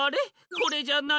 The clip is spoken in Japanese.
これじゃない。